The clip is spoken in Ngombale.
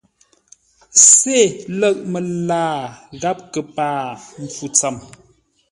Sê ləʼ məlaa gháp kəpaa mpfu tsəm.